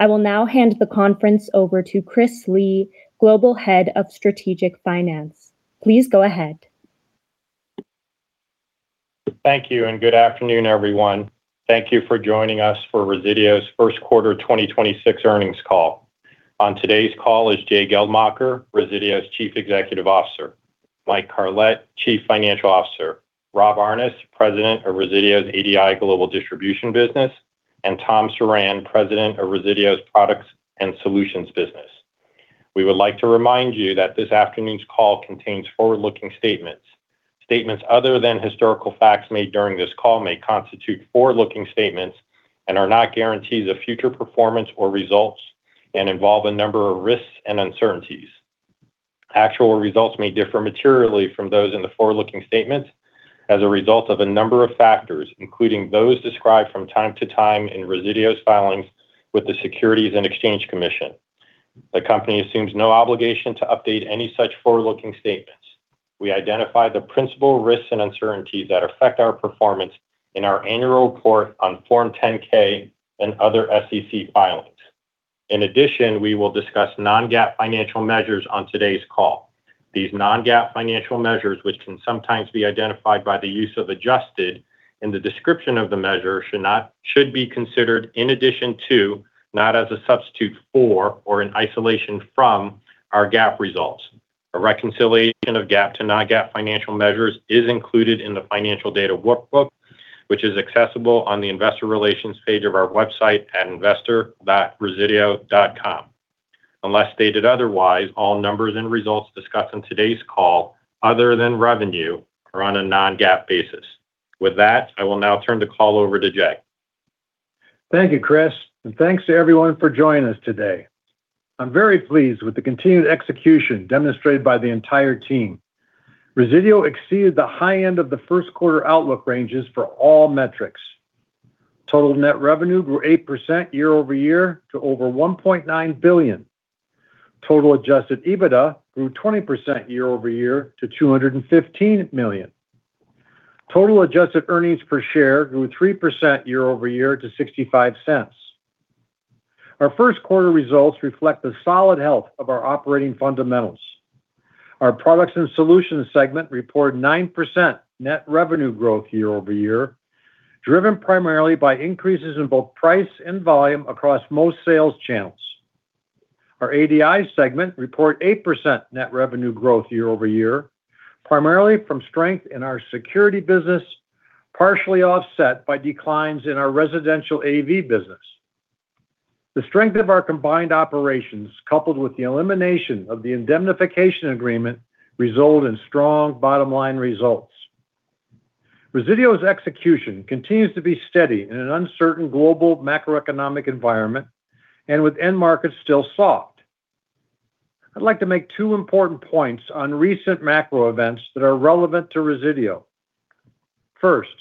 I will now hand the conference over to Chris Lee, Global Head of Strategic Finance. Please go ahead. Thank you, and good afternoon, everyone. Thank you for joining us for Resideo's first quarter 2026 earnings call. On today's call is Jay Geldmacher, Resideo's Chief Executive Officer; Mike Carlet, Chief Financial Officer; Rob Aarnes, President of Resideo's ADI Global Distribution business; and Tom Surran, President of Resideo's Products and Solutions business. We would like to remind you that this afternoon's call contains forward-looking statements. Statements other than historical facts made during this call may constitute forward-looking statements and are not guarantees of future performance or results and involve a number of risks and uncertainties. Actual results may differ materially from those in the forward-looking statements as a result of a number of factors, including those described from time to time in Resideo's filings with the Securities and Exchange Commission. The company assumes no obligation to update any such forward-looking statements. We identify the principal risks and uncertainties that affect our performance in our annual report on Form 10-K and other SEC filings. In addition, we will discuss non-GAAP financial measures on today's call. These non-GAAP financial measures, which can sometimes be identified by the use of adjusted in the description of the measure, should be considered in addition to, not as a substitute for or in isolation from our GAAP results. A reconciliation of GAAP to non-GAAP financial measures is included in the financial data workbook, which is accessible on the investor relations page of our website at investor.resideo.com. Unless stated otherwise, all numbers and results discussed on today's call other than revenue are on a non-GAAP basis. With that, I will now turn the call over to Jay. Thank you, Chris, and thanks to everyone for joining us today. I'm very pleased with the continued execution demonstrated by the entire team. Resideo exceeded the high end of the first quarter outlook ranges for all metrics. Total net revenue grew 8% year-over-year to over $1.9 billion. Total adjusted EBITDA grew 20% year-over-year to $215 million. Total adjusted earnings per share grew 3% year-over-year to $0.65. Our first quarter results reflect the solid health of our operating fundamentals. Our Products and Solutions segment report 9% net revenue growth year-over-year, driven primarily by increases in both price and volume across most sales channels. Our ADI segment report 8% net revenue growth year-over-year, primarily from strength in our security business, partially offset by declines in our residential AV business. The strength of our combined operations, coupled with the elimination of the indemnification agreement, result in strong bottom-line results. Resideo's execution continues to be steady in an uncertain global macroeconomic environment and with end markets still soft. I'd like to make two important points on recent macro events that are relevant to Resideo. First,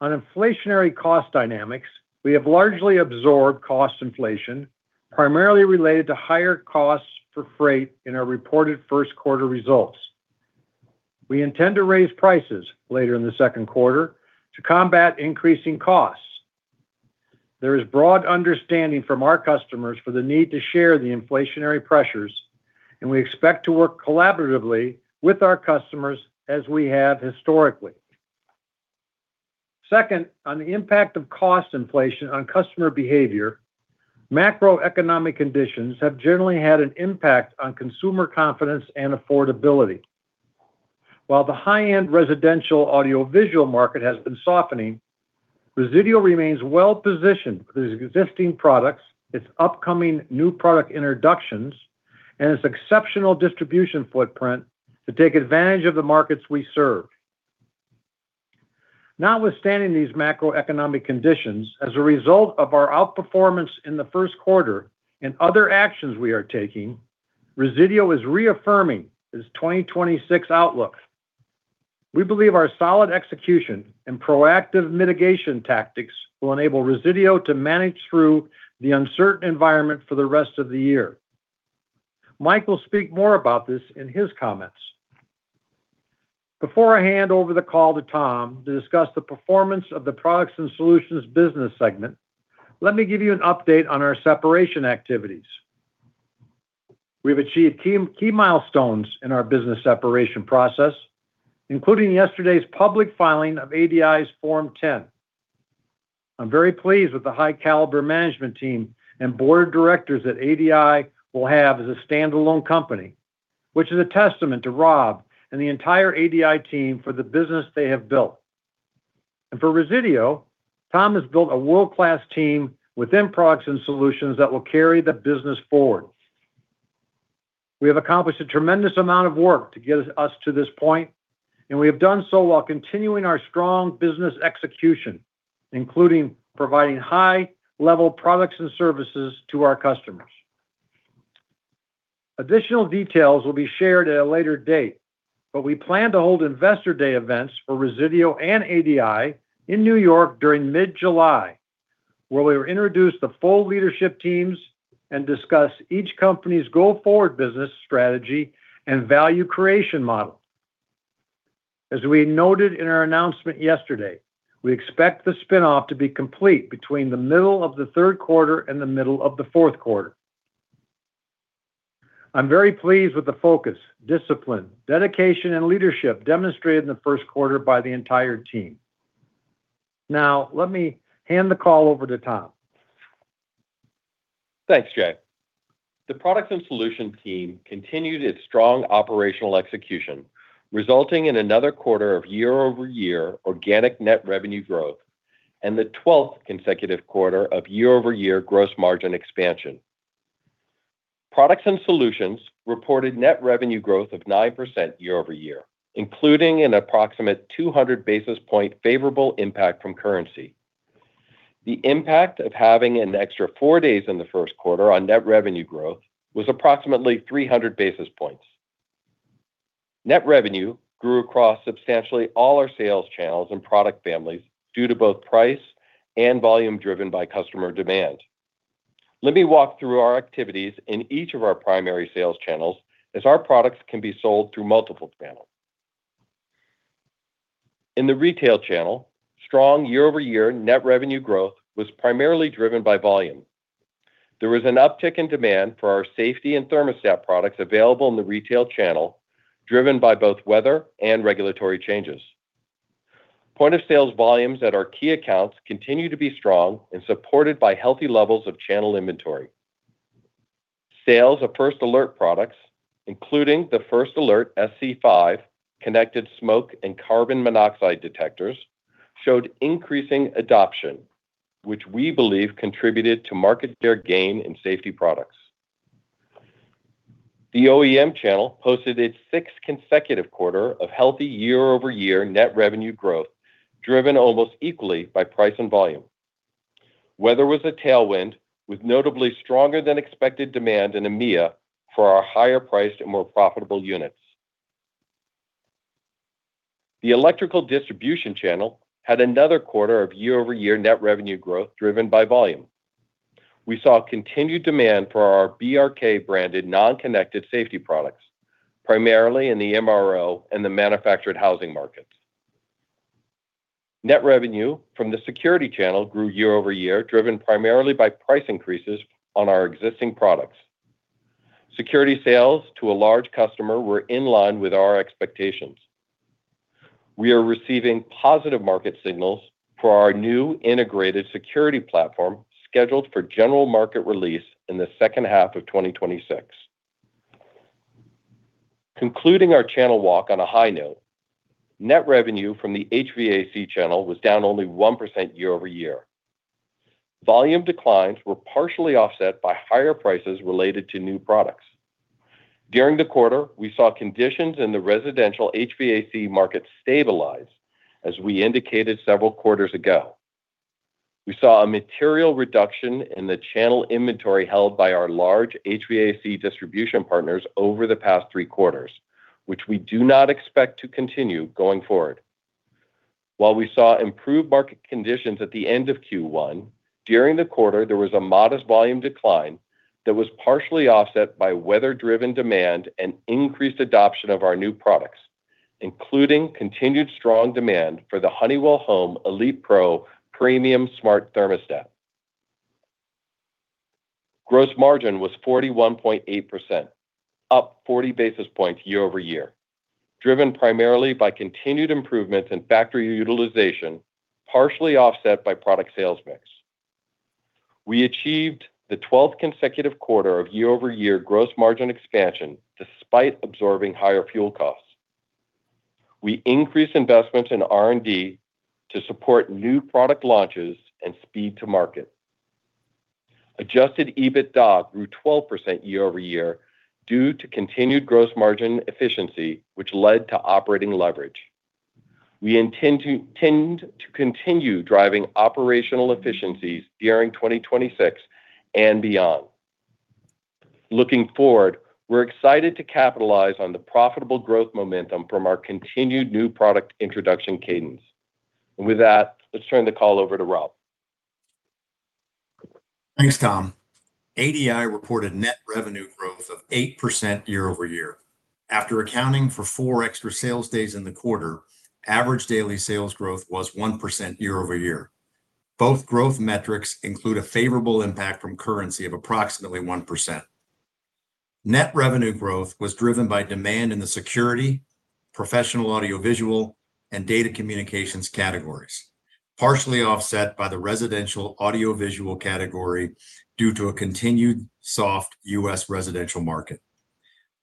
on inflationary cost dynamics, we have largely absorbed cost inflation primarily related to higher costs for freight in our reported first quarter results. We intend to raise prices later in the second quarter to combat increasing costs. There is broad understanding from our customers for the need to share the inflationary pressures, and we expect to work collaboratively with our customers as we have historically. Second, on the impact of cost inflation on customer behavior, macroeconomic conditions have generally had an impact on consumer confidence and affordability. While the high-end residential audio visual market has been softening, Resideo remains well-positioned with its existing products, its upcoming new product introductions, and its exceptional distribution footprint to take advantage of the markets we serve. Notwithstanding these macroeconomic conditions, as a result of our outperformance in the first quarter and other actions we are taking, Resideo is reaffirming its 2026 outlook. We believe our solid execution and proactive mitigation tactics will enable Resideo to manage through the uncertain environment for the rest of the year. Mike Carlet will speak more about this in his comments. Before I hand over the call to Tom Surran to discuss the performance of the Products and Solutions business segment, let me give you an update on our separation activities. We've achieved key milestones in our business separation process, including yesterday's public filing of ADI's Form 10. I'm very pleased with the high caliber management team and board of directors that ADI will have as a standalone company, which is a testament Rob and the entire ADI team for the business they have built. For Resideo, Tom has built a world-class team within Products and Solutions that will carry the business forward. We have accomplished a tremendous amount of work to get us to this point, and we have done so while continuing our strong business execution, including providing high-level products and services to our customers. Additional details will be shared at a later date, but we plan to hold investor day events for Resideo and ADI in N.Y. during mid-July, where we will introduce the full leadership teams and discuss each company's go-forward business strategy and value creation model. As we noted in our announcement yesterday, we expect the spin-off to be complete between the middle of the third quarter and the middle of the fourth quarter. I'm very pleased with the focus, discipline, dedication, and leadership demonstrated in the first quarter by the entire team. Now, let me hand the call over to Tom. Thanks, Jay. The Products and Solutions team continued its strong operational execution, resulting in another quarter of year-over-year organic net revenue growth and the twelfth consecutive quarter of year-over-year gross margin expansion. Products and Solutions reported net revenue growth of 9% year-over-year, including an approximate 200 basis point favorable impact from currency. The impact of having an extra four days in the first quarter on net revenue growth was approximately 300 basis points. Net revenue grew across substantially all our sales channels and product families due to both price and volume driven by customer demand. Let me walk through our activities in each of our primary sales channels as our products can be sold through multiple channels. In the retail channel, strong year-over-year net revenue growth was primarily driven by volume. There was an uptick in demand for our safety and thermostat products available in the retail channel, driven by both weather and regulatory changes. Point of sales volumes at our key accounts continue to be strong and supported by healthy levels of channel inventory. Sales of First Alert products, including the First Alert SC5 connected smoke and carbon monoxide detectors, showed increasing adoption, which we believe contributed to market share gain in safety products. The OEM channel posted its sixth consecutive quarter of healthy year-over-year net revenue growth, driven almost equally by price and volume. Weather was a tailwind, with notably stronger than expected demand in EMEA for our higher priced and more profitable units. The electrical distribution channel had one another quarter of year-over-year net revenue growth driven by volume. We saw continued demand for our BRK branded non-connected safety products, primarily in the MRO and the manufactured housing markets. Net revenue from the security channel grew year-over-year, driven primarily by price increases on our existing products. Security sales to a large customer were in line with our expectations. We are receiving positive market signals for our new integrated security platform scheduled for general market release in the second half of 2026. Concluding our channel walk on a high note, net revenue from the HVAC channel was down only 1% year-over-year. Volume declines were partially offset by higher prices related to new products. During the quarter, we saw conditions in the residential HVAC market stabilize, as we indicated several quarters ago. We saw a material reduction in the channel inventory held by our large HVAC distribution partners over the past three quarters, which we do not expect to continue going forward. While we saw improved market conditions at the end of Q1, during the quarter, there was a modest volume decline that was partially offset by weather-driven demand and increased adoption of our new products, including continued strong demand for the Honeywell Home ElitePRO Smart Thermostat. Gross margin was 41.8%, up 40 basis points year-over-year, driven primarily by continued improvements in factory utilization, partially offset by product sales mix. We achieved the 12th consecutive quarter of year-over-year gross margin expansion despite absorbing higher fuel costs. We increased investments in R&D to support new product launches and speed to market. adjusted EBITDA grew 12% year-over-year due to continued gross margin efficiency, which led to operating leverage. We intend to continue driving operational efficiencies during 2026 and beyond. Looking forward, we're excited to capitalize on the profitable growth momentum from our continued new product introduction cadence. With that, let's turn the call over to Rob. Thanks, Tom. ADI reported net revenue growth of 8% year-over-year. After accounting for four extra sales days in the quarter, average daily sales growth was 1% year-over-year. Both growth metrics include a favorable impact from currency of approximately 1%. Net revenue growth was driven by demand in the security, professional audiovisual, and data communications categories, partially offset by the residential audiovisual category due to a continued soft U.S. residential market.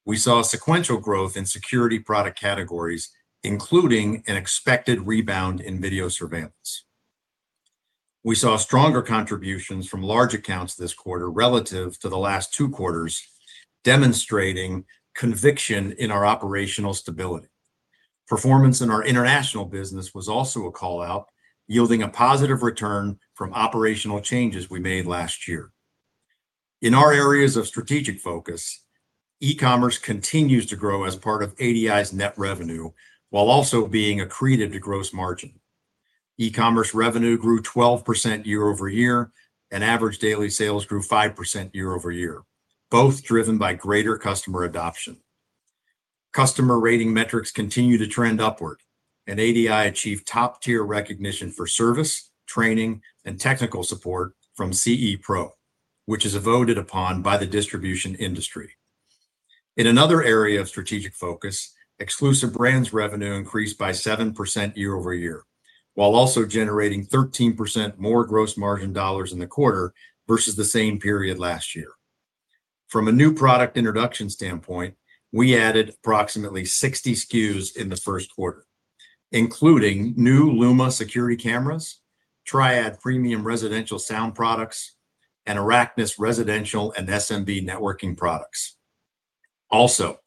We saw sequential growth in security product categories, including an expected rebound in video surveillance. We saw stronger contributions from large accounts this quarter relative to the last two quarters, demonstrating conviction in our operational stability. Performance in our international business was also a call-out, yielding a positive return from operational changes we made last year. In our areas of strategic focus, e-commerce continues to grow as part of ADI's net revenue while also being accretive to gross margin. E-commerce revenue grew 12% year-over-year, and average daily sales grew 5% year-over-year, both driven by greater customer adoption. Customer rating metrics continue to trend upward, and ADI achieved top-tier recognition for service, training, and technical support from CE Pro, which is voted upon by the distribution industry. In another area of strategic focus, exclusive brands revenue increased by 7% year-over-year, while also generating 13% more gross margin dollars in the quarter versus the same period last year. From a new product introduction standpoint, we added approximately 60 SKUs in the first quarter, including new Luma security cameras, Triad premium residential sound products, and Araknis residential and SMB networking products. Also,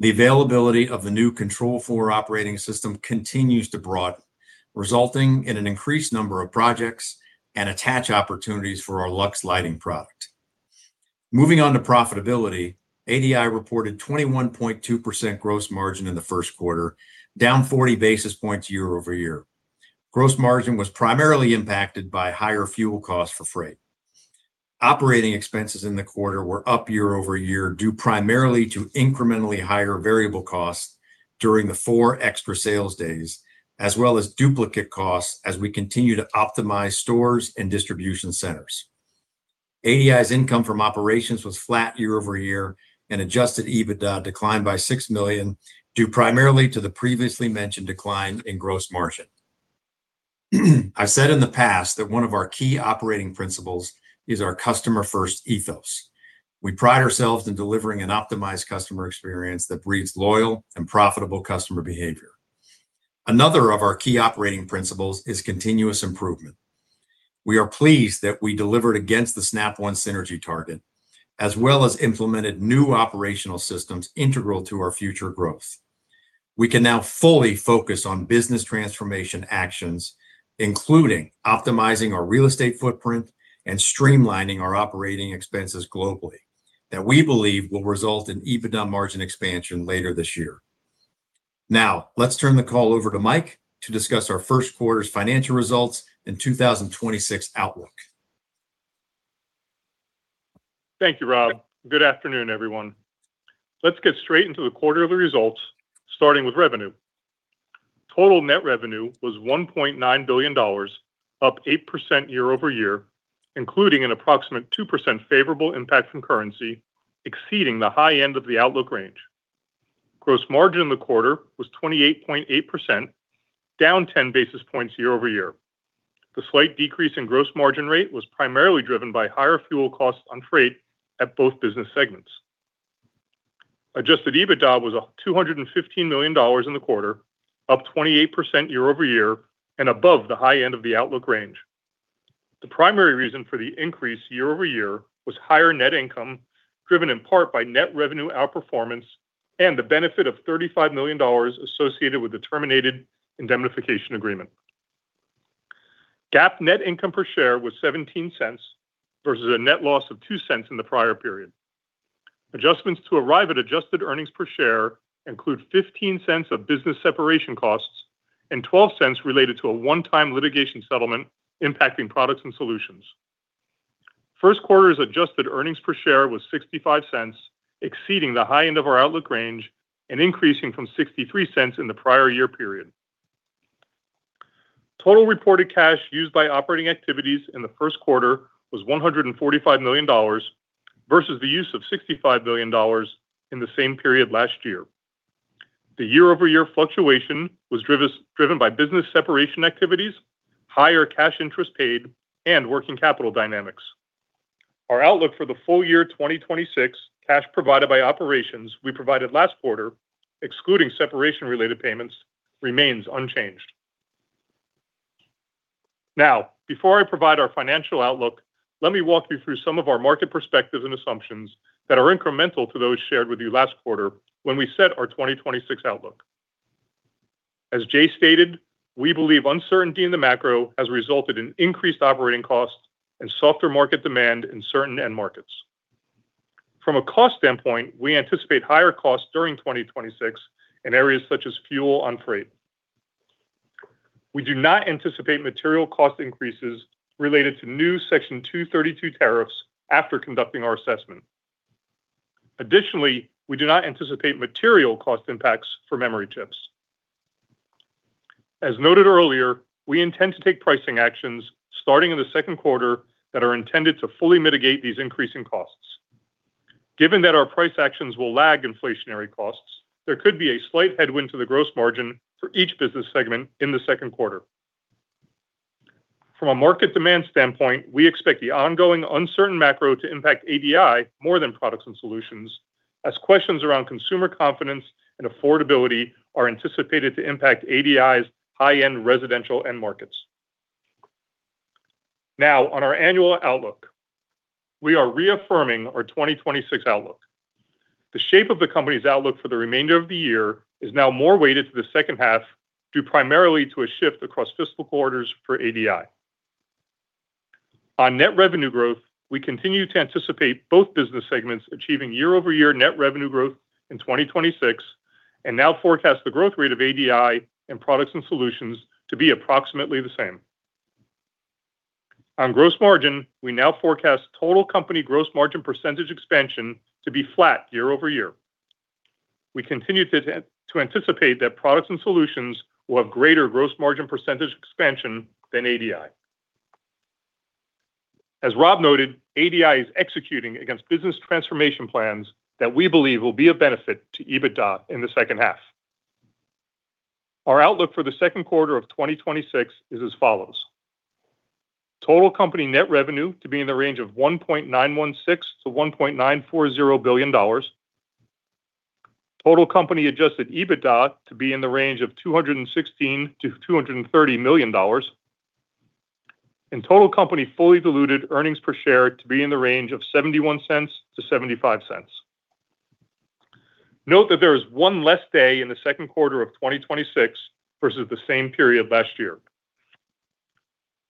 the availability of the new Control4 operating system continues to broaden, resulting in an increased number of projects and attach opportunities for our Lux lighting product. Moving on to profitability, ADI reported 21.2% gross margin in the first quarter, down 40 basis points year-over-year. Gross margin was primarily impacted by higher fuel costs for freight. Operating expenses in the quarter were up year-over-year, due primarily to incrementally higher variable costs during the four extra sales days, as well as duplicate costs as we continue to optimize stores and distribution centers. ADI's income from operations was flat year-over-year, and adjusted EBITDA declined by $6 million, due primarily to the previously mentioned decline in gross margin. I've said in the past that one of our key operating principles is our customer-first ethos. We pride ourselves in delivering an optimized customer experience that breeds loyal and profitable customer behavior. Another of our key operating principles is continuous improvement. We are pleased that we delivered against the Snap One synergy target, as well as implemented new operational systems integral to our future growth. We can now fully focus on business transformation actions, including optimizing our real estate footprint and streamlining our operating expenses globally, that we believe will result in EBITDA margin expansion later this year. Now, let's turn the call over Mike to discuss our first quarter's financial results and 2026 outlook. Thank you, Rob. Good afternoon, everyone. Let's get straight into the quarterly results, starting with revenue. Total net revenue was $1.9 billion, up 8% year-over-year, including an approximate 2% favorable impact from currency, exceeding the high end of the outlook range. Gross margin in the quarter was 28.8%, down 10 basis points year-over-year. The slight decrease in gross margin rate was primarily driven by higher fuel costs on freight at both business segments. Adjusted EBITDA was $215 million in the quarter, up 28% year-over-year, and above the high end of the outlook range. The primary reason for the increase year-over-year was higher net income, driven in part by net revenue outperformance and the benefit of $35 million associated with the terminated indemnification agreement. GAAP net income per share was $0.17 versus a net loss of $0.02 in the prior period. Adjustments to arrive at adjusted earnings per share include $0.15 of business separation costs and $0.12 related to a one-time litigation settlement impacting Products and Solutions. First quarter's adjusted earnings per share was $0.65, exceeding the high end of our outlook range and increasing from $0.63 in the prior year period. Total reported cash used by operating activities in the first quarter was $145 million versus the use of $65 million in the same period last year. The year-over-year fluctuation was driven by business separation activities, higher cash interest paid, and working capital dynamics. Our outlook for the full year 2026 cash provided by operations we provided last quarter, excluding separation-related payments, remains unchanged. Now, before I provide our financial outlook, let me walk you through some of our market perspectives and assumptions that are incremental to those shared with you last quarter when we set our 2026 outlook. As Jay stated, we believe uncertainty in the macro has resulted in increased operating costs and softer market demand in certain end markets. From a cost standpoint, we anticipate higher costs during 2026 in areas such as fuel and freight. We do not anticipate material cost increases related to new Section 232 tariffs after conducting our assessment. Additionally, we do not anticipate material cost impacts for memory chips. As noted earlier, we intend to take pricing actions starting in the second quarter that are intended to fully mitigate these increasing costs. Given that our price actions will lag inflationary costs, there could be a slight headwind to the gross margin for each business segment in the second quarter. From a market demand standpoint, we expect the ongoing uncertain macro to impact ADI more than Products and Solutions as questions around consumer confidence and affordability are anticipated to impact ADI's high-end residential end markets. Now, on our annual outlook, we are reaffirming our 2026 outlook. The shape of the company's outlook for the remainder of the year is now more weighted to the second half due primarily to a shift across fiscal quarters for ADI. On net revenue growth, we continue to anticipate both business segments achieving year-over-year net revenue growth in 2026, and now forecast the growth rate of ADI and Products and Solutions to be approximately the same. On gross margin, we now forecast total company gross margin percent expansion to be flat year-over-year. We continue to anticipate that Products and Solutions will have greater gross margin percent expansion than ADI. As Rob noted, ADI is executing against business transformation plans that we believe will be of benefit to EBITDA in the second half. Our outlook for the second quarter of 2026 is as follows: total company net revenue to be in the range of $1.916 billion-$1.940 billion. Total company adjusted EBITDA to be in the range of $216 million-$230 million. Total company fully diluted earnings per share to be in the range of $0.71-$0.75. Note that there is one less day in the second quarter of 2026 versus the same period last year.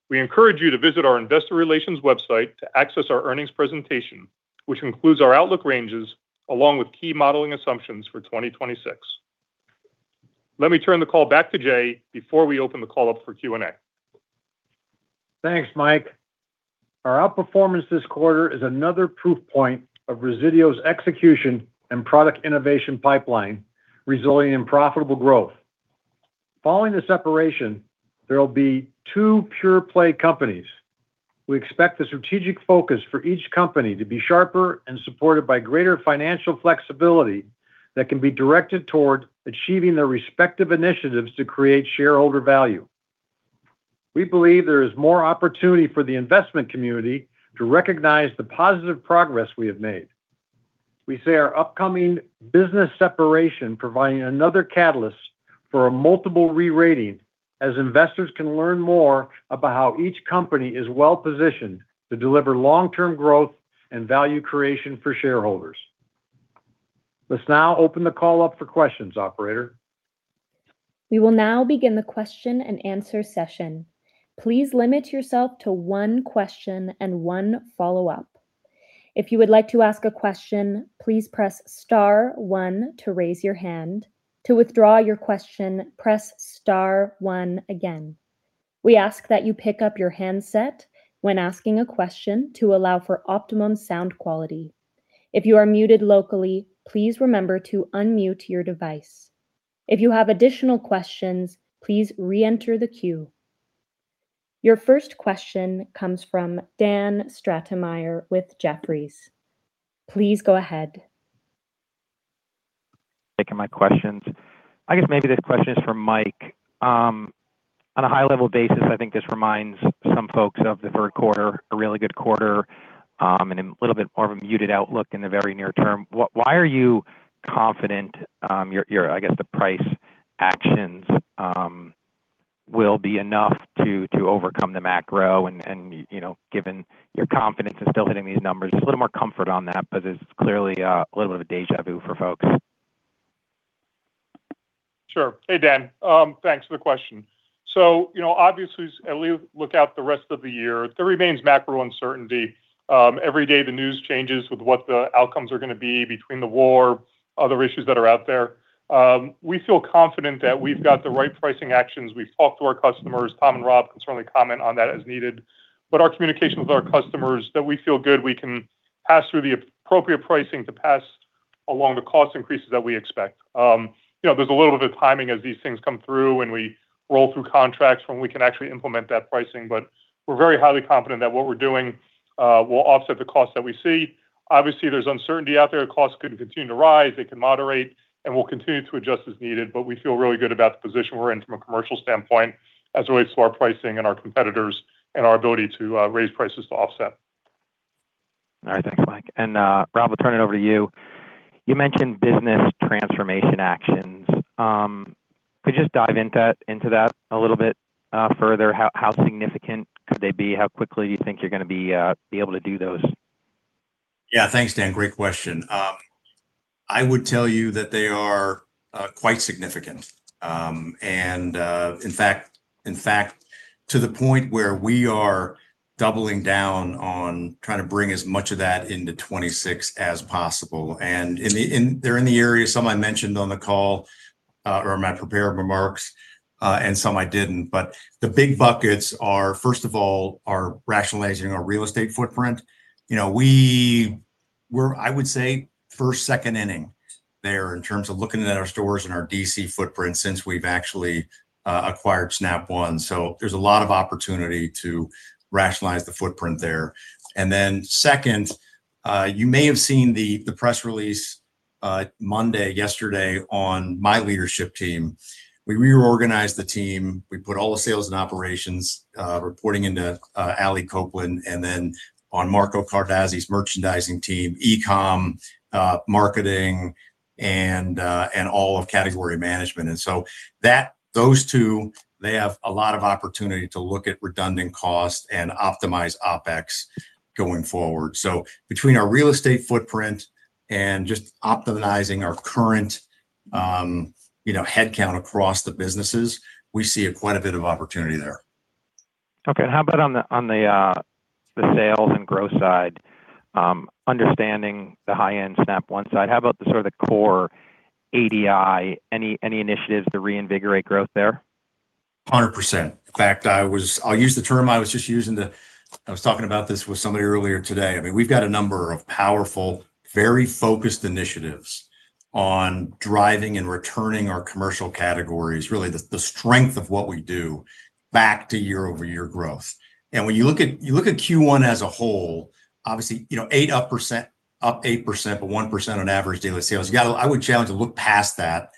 We encourage you to visit our investor relations website to access our earnings presentation, which includes our outlook ranges along with key modeling assumptions for 2026. Let me turn the call back to Jay before we open the call up for Q&A. Thanks, Mike. Our outperformance this quarter is another proof point of Resideo's execution and product innovation pipeline resulting in profitable growth. Following the separation, there will be two pure play companies. We expect the strategic focus for each company to be sharper and supported by greater financial flexibility that can be directed toward achieving their respective initiatives to create shareholder value. We believe there is more opportunity for the investment community to recognize the positive progress we have made. We say our upcoming business separation providing another catalyst for a multiple re-rating as investors can learn more about how each company is well-positioned to deliver long-term growth and value creation for shareholders. Let's now open the call up for questions, operator. We will now begin the question and answer session. Please limit yourself to one question and one follow-up. If you would like to ask a question, please press star one to raise your hand. To withdraw your question, press star one again. We ask that you pick up your handset when asking a question to allow for optimum sound quality. If you are muted locally, please remember to unmute your device. If you have additional questions, please reenter the queue. Your first question comes from Dan Stratemeier with Jefferies. Please go ahead. Thank you. My questions, I guess maybe this question is for Mike Carlet. On a high level basis, I think this reminds some folks of the third quarter, a really good quarter, and a little bit more of a muted outlook in the very near term. Why are you confident, your, I guess, the price actions, will be enough to overcome the macro and, you know, given your confidence in still hitting these numbers? Just a little more comfort on that. It's clearly a little bit of deja vu for folks. Sure. Hey, Dan. Thanks for the question. You know, obviously as we look out the rest of the year, there remains macro uncertainty. Every day the news changes with what the outcomes are gonna be between the war, other issues that are out there. We feel confident that we've got the right pricing actions. We've talked to our customers. Tom and Rob can certainly comment on that as needed. Our communication with our customers that we feel good we can pass through the appropriate pricing to pass along the cost increases that we expect. You know, there's a little bit of timing as these things come through, and we roll through contracts when we can actually implement that pricing. We're very highly confident that what we're doing will offset the cost that we see. Obviously, there's uncertainty out there. Costs could continue to rise, they can moderate, and we'll continue to adjust as needed. We feel really good about the position we're in from a commercial standpoint as it relates to our pricing and our competitors and our ability to raise prices to offset. All right. Thanks, Mike. Rob, I'll turn it over to you. You mentioned business transformation actions. Could you just dive into that a little bit further? How significant could they be? How quickly do you think you're gonna be able to do those? Yeah. Thanks, Dan. Great question. I would tell you that they are quite significant. To the point where we are doubling down on trying to bring as much of that into 2026 as possible. They're in the area some I mentioned on the call or in my prepared remarks and some I didn't. The big buckets are, first of all, are rationalizing our real estate footprint. You know, we're, I would say, first, second inning there in terms of looking at our stores and our DC footprint since we've actually acquired Snap One. There's a lot of opportunity to rationalize the footprint there. Second, you may have seen the press release Monday, yesterday, on my leadership team. We reorganized the team. We put all the sales and operations reporting into Alicia Copeland, and then on Marco Cardazzi's merchandising team, e-com, marketing, and all of category management. Those two, they have a lot of opportunity to look at redundant costs and optimize OpEx going forward. Between our real estate footprint and just optimizing our current, you know, headcount across the businesses, we see quite a bit of opportunity there. Okay. How about on the, on the sales and growth side? Understanding the high-end Snap One side, how about the sort of the core ADI? Any initiatives to reinvigorate growth there? 100%. In fact, I was I'll use the term I was just using to I was talking about this with somebody earlier today. I mean, we've got a number of powerful, very focused initiatives on driving and returning our commercial categories, really the strength of what we do back to year-over-year growth. When you look at, you look at Q1 as a whole, obviously, you know, up 8%, but 1% on average daily sales. You gotta I would challenge to look past that.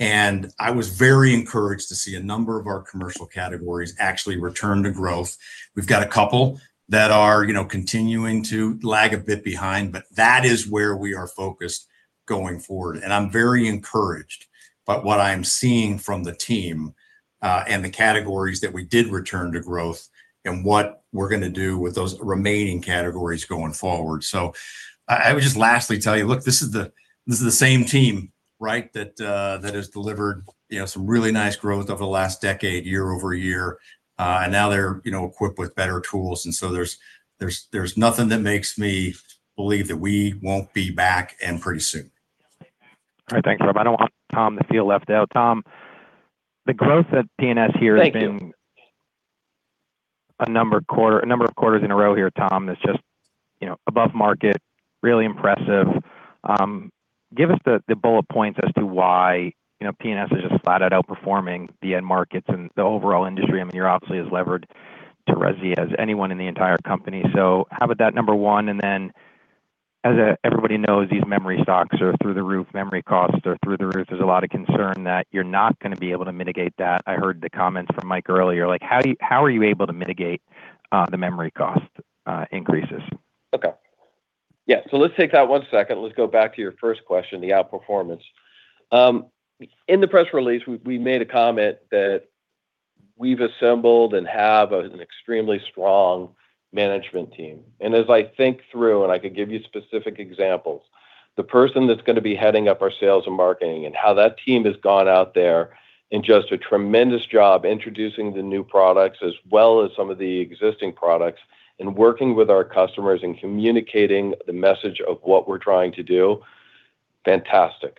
I was very encouraged to see a number of our commercial categories actually return to growth. We've got a couple that are, you know, continuing to lag a bit behind. That is where we are focused going forward. I'm very encouraged by what I'm seeing from the team, and the categories that we did return to growth and what we're gonna do with those remaining categories going forward. I would just lastly tell you, look, this is the same team, right? That has delivered, you know, some really nice growth over the last decade, year-over-year. Now they're, you know, equipped with better tools, there's nothing that makes me believe that we won't be back and pretty soon. All right. Thanks, Rob. I don't want Tom to feel left out. Tom, the growth at P&S here has been a numbered quarter, a number of quarters in a row Tom, that's just, you know, above market, really impressive. Give us the bullet points as to why, you know, P&S is just flat out outperforming the end markets and the overall industry. I mean, you're obviously as levered to resi as anyone in the entire company. How about that, number one, and then as everybody knows, these memory stocks are through the roof, memory costs are through the roof. There's a lot of concern that you're not gonna be able to mitigate that. I heard the comments from Mike earlier. How are you able to mitigate the memory cost increases? Okay. Yeah, let's take that one second. Let's go back to your first question, the outperformance. In the press release, we made a comment that we've assembled and have an extremely strong management team. As I think through, and I could give you specific examples, the person that's gonna be heading up our sales and marketing and how that team has gone out there and just a tremendous job introducing the new products as well as some of the existing products and working with our customers and communicating the message of what we're trying to do, fantastic.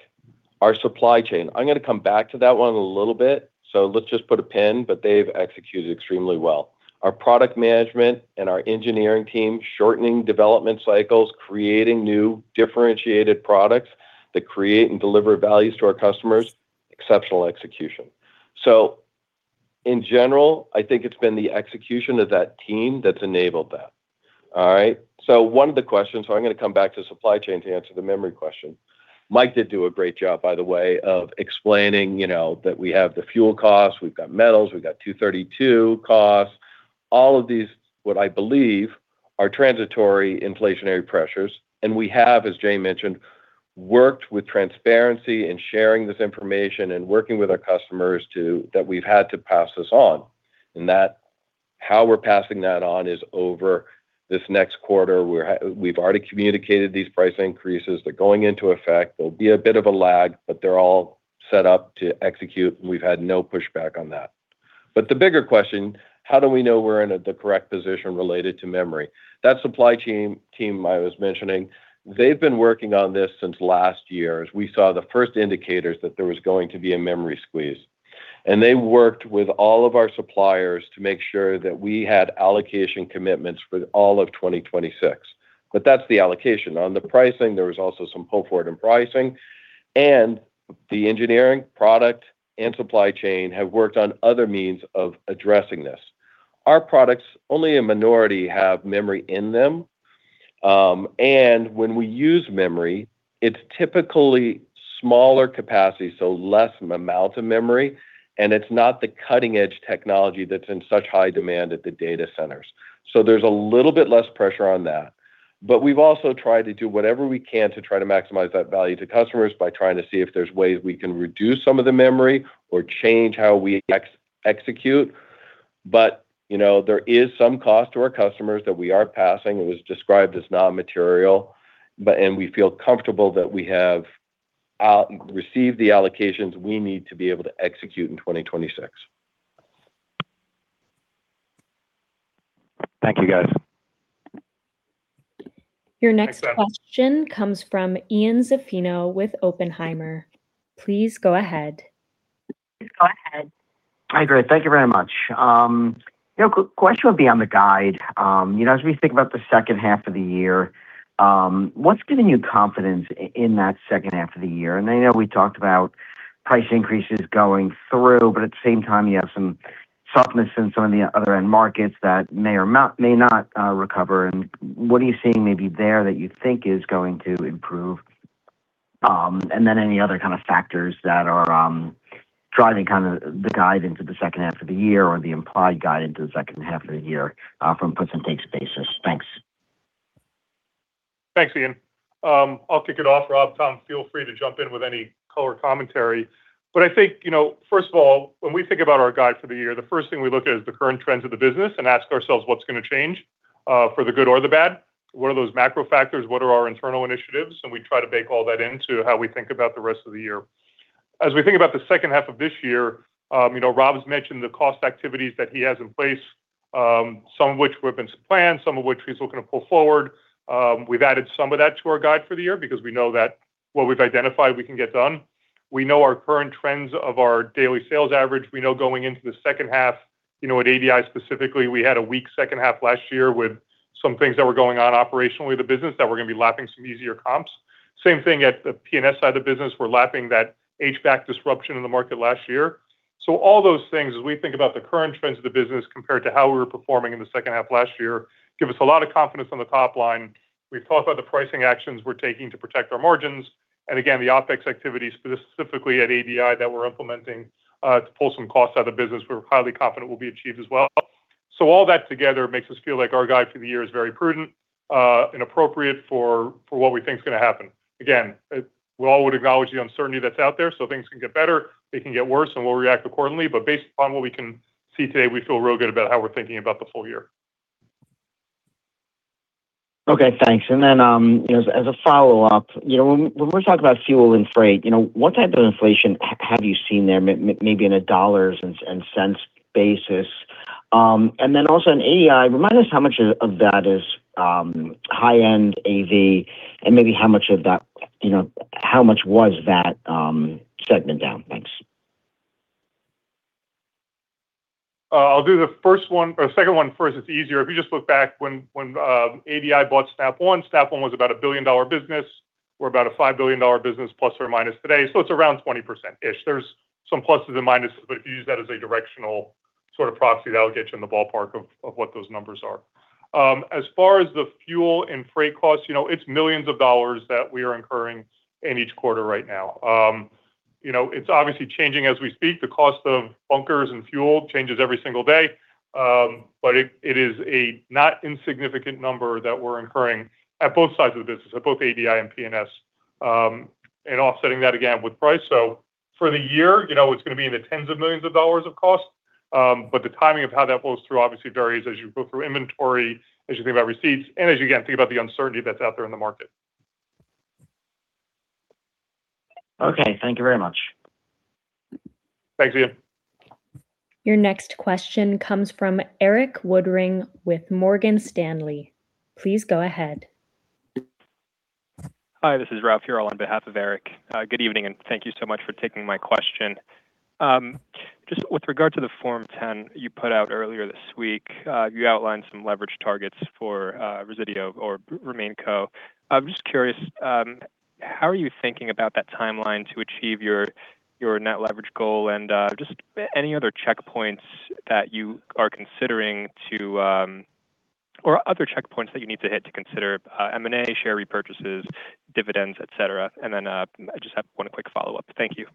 Our supply chain, I'm gonna come back to that 1 in a little bit, so let's just put a pin, but they've executed extremely well. Our product management and our engineering team, shortening development cycles, creating new differentiated products that create and deliver value to our customers, exceptional execution. In general, I think it's been the execution of that team that's enabled that. All right. One of the questions, I'm gonna come back to supply chain to answer the memory question. Mike Carlet did do a great job, by the way, of explaining, you know, that we have the fuel costs, we've got metals, we've got Section 232 costs. All of these, what I believe, are transitory inflationary pressures, and we have, as Jay mentioned, worked with transparency in sharing this information and working with our customers to that we've had to pass this on. That, how we're passing that on is over this next quarter. We've already communicated these price increases. They're going into effect. There'll be a bit of a lag, but they're all set up to execute, and we've had no pushback on that. The bigger question, how do we know we're in at the correct position related to memory? That supply team I was mentioning, they've been working on this since last year, as we saw the first indicators that there was going to be a memory squeeze. They worked with all of our suppliers to make sure that we had allocation commitments for all of 2026. That's the allocation. On the pricing, there was also some pull-forward in pricing, the engineering, product, and supply chain have worked on other means of addressing this. Our products, only a minority have memory in them, when we use memory, it's typically smaller capacity, so less amounts of memory, and it's not the cutting-edge technology that's in such high demand at the data centers. There's a little bit less pressure on that. We've also tried to do whatever we can to try to maximize that value to customers by trying to see if there's ways we can reduce some of the memory or change how we execute. You know, there is some cost to our customers that we are passing. It was described as non-material, and we feel comfortable that we have received the allocations we need to be able to execute in 2026. Thank you, guys. Thanks, guys. Your next question comes from Ian Zaffino with Oppenheimer. Please go ahead. Hi. Great. Thank you very much. you know, question would be on the guide. you know, as we think about the second half of the year, what's giving you confidence in that second half of the year? I know we talked about price increases going through, but at the same time, you have some softness in some of the other end markets that may or may not recover. What are you seeing maybe there that you think is going to improve? any other kind of factors that are driving kind of the guide into the second half of the year or the implied guide into the second half of the year, from puts and takes basis. Thanks. Thanks, Ian. I'll kick it off. Rob, Tom, feel free to jump in with any color commentary. I think, you know, first of all, when we think about our guide for the year, the first thing we look at is the current trends of the business and ask ourselves what's gonna change for the good or the bad. What are those macro factors? What are our internal initiatives? We try to bake all that into how we think about the rest of the year. We think about the second half of this year, you know, Rob has mentioned the cost activities that he has in place, some of which we're going to plan, some of which he's looking to pull forward. We've added some of that to our guide for the year because we know that what we've identified we can get done. We know our current trends of our daily sales average. We know going into the second half, you know, at ADI specifically, we had a weak second half last year with some things that were going on operationally with the business that we're gonna be lapping some easier comps. Same thing at the PNS side of the business. We're lapping that HVAC disruption in the market last year. All those things, as we think about the current trends of the business compared to how we were performing in the second half last year, give us a lot of confidence on the top line. We've talked about the pricing actions we're taking to protect our margins, and again, the OpEx activity specifically at ADI that we're implementing to pull some costs out of the business, we're highly confident will be achieved as well. All that together makes us feel like our guide for the year is very prudent and appropriate for what we think is gonna happen. Again, we all would acknowledge the uncertainty that's out there. Things can get better, they can get worse, and we'll react accordingly. Based upon what we can see today, we feel real good about how we're thinking about the full year. Okay, thanks. You know, as a follow-up, you know, when we're talking about fuel and freight, you know, what type of inflation have you seen there maybe in a dollars and cents basis? Also in ADI, remind us how much of that is high-end AV and maybe how much of that You know, how much was that segment down? Thanks. I'll do the first one or the second one first. It's easier. If you just look back when ADI bought Snap One, Snap One was about a $1 billion business. We're about a $5 billion business plus or minus today, it's around 20%-ish. There's some pluses and minuses, if you use that as a directional sort of proxy, that'll get you in the ballpark of what those numbers are. As far as the fuel and freight costs, you know, it's millions of dollars that we are incurring in each quarter right now. You know, it's obviously changing as we speak. The cost of bunkers and fuel changes every single day. It is a not insignificant number that we're incurring at both sides of the business, at both ADI and PNS, and offsetting that again with price. For the year, you know, it's gonna be in the tens of millions of dollars of cost, but the timing of how that flows through obviously varies as you go through inventory, as you think about receipts, and as you, again, think about the uncertainty that's out there in the market. Okay. Thank you very much. Thanks, Ian. Your next question comes from Erik Woodring with Morgan Stanley. Please go ahead. Hi, this is Ralph here on behalf of Erik. Good evening, and thank you so much for taking my question. Just with regard to the Form 10 you put out earlier this week, you outlined some leverage targets for Resideo or RemainCo. I'm just curious, how are you thinking about that timeline to achieve your net leverage goal and any other checkpoints that you are considering to consider M&A share repurchases, dividends, et cetera. I just have one quick follow-up. Thank you.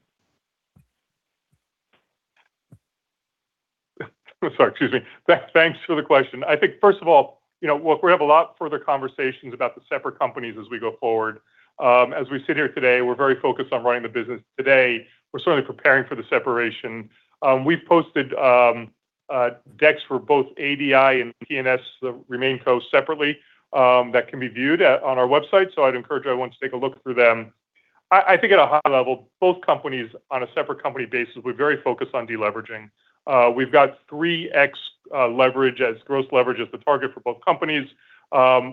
Sorry. Excuse me. Thanks for the question. I think first of all, you know, look, we have a lot further conversations about the separate companies as we go forward. As we sit here today, we're very focused on running the business today. We're certainly preparing for the separation. We've posted decks for both ADI and PNS, the RemainCo separately, that can be viewed on our website. I'd encourage everyone to take a look through them. I think at a high level, both companies on a separate company basis, we're very focused on deleveraging. We've got 3x leverage as gross leverage as the target for both companies.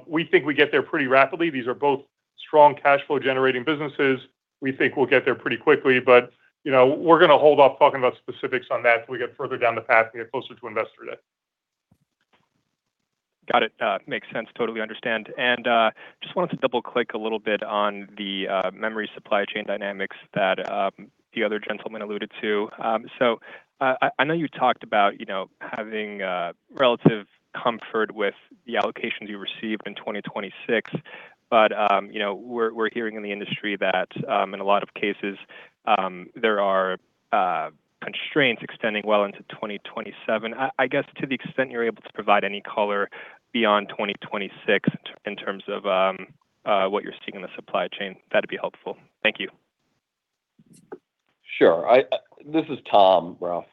We think we get there pretty rapidly. These are both strong cash flow generating businesses. We think we'll get there pretty quickly. You know, we're gonna hold off talking about specifics on that till we get further down the path and get closer to Investor Day. Got it. Makes sense. Totally understand. Just wanted to double-click a little bit on the memory supply chain dynamics that the other gentleman alluded to. I know you talked about, you know, having relative comfort with the allocations you received in 2026. You know, we're hearing in the industry that in a lot of cases, there are constraints extending well into 2027. I guess to the extent you're able to provide any color beyond 2026 in terms of what you're seeing in the supply chain, that'd be helpful. Thank you. Sure. This is Tom, Ralph.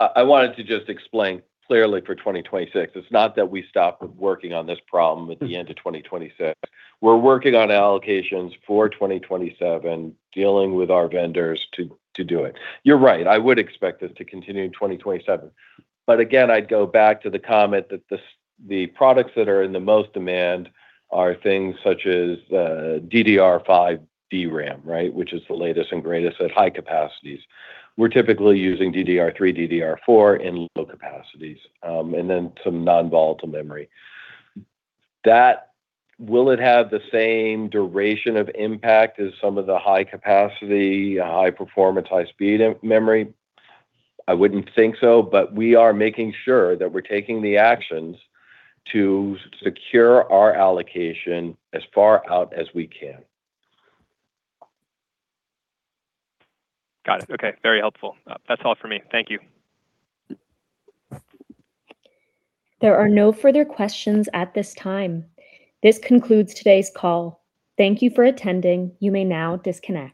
I wanted to just explain clearly for 2026, it's not that we stopped working on this problem at the end of 2026. We're working on allocations for 2027, dealing with our vendors to do it. You're right, I would expect this to continue in 2027. Again, I'd go back to the comment that the products that are in the most demand are things such as DDR5 DRAM, right? Which is the latest and greatest at high capacities. We're typically using DDR3, DDR4 in low capacities. And then some non-volatile memory. That, will it have the same duration of impact as some of the high capacity, high performance, high speed memory? I wouldn't think so. We are making sure that we're taking the actions to secure our allocation as far out as we can. Got it. Okay. Very helpful. That's all for me. Thank you. There are no further questions at this time. This concludes today's call. Thank you for attending. You may now disconnect.